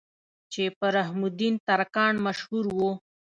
چې پۀ رحم الدين ترکاڼ مشهور وو